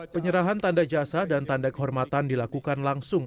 penyerahan tanda jasa dan tanda kehormatan dilakukan langsung